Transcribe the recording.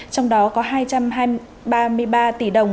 trong đó có hai trăm ba mươi ba tỷ đồng